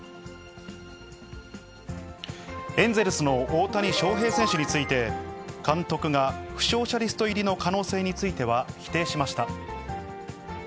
エンゼルスの大谷翔平選手について、監督が負傷者リスト入りの可能性については否定しました。